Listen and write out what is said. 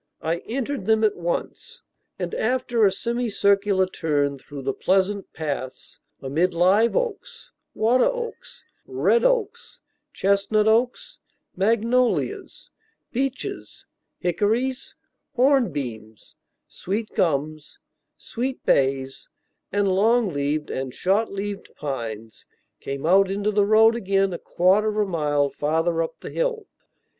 I entered them at once, and after a semicircular turn through the pleasant paths, amid live oaks, water oaks, red oaks, chestnut oaks, magnolias, beeches, hickories, hornbeams, sweet gums, sweet bays, and long leaved and short leaved pines, came out into the road again a quarter of a mile farther up the hill.